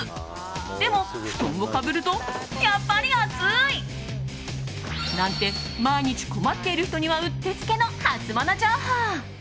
でも、布団をかぶるとやっぱり暑い！なんて、毎日困っている人にはうってつけのハツモノ情報。